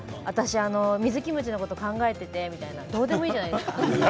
水キムチのことを考えていて、なんて、どうでもいいじゃないですか。